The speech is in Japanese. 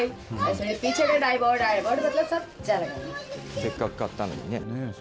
せっかく買ったのにね。